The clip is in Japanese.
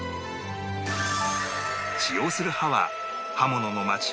使用する刃は刃物の街